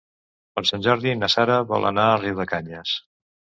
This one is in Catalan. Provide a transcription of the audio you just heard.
Per Sant Jordi na Sara vol anar a Riudecanyes.